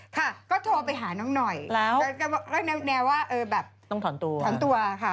ค่ะก็โทรไปหาน้องหน่อยก็แนวว่าต้องถอนตัวค่ะ